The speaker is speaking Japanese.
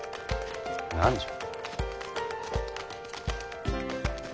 何じゃ？